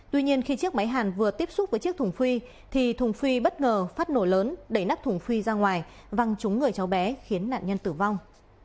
tuy nhiên khi chiếc máy hàn vừa tiếp xúc với chiếc thùng phi thì thùng phi bất ngờ phát nổ lớn đẩy nắp thùng phi ra ngoài văng trúng người cháu bé khiến nạn nhân tử vong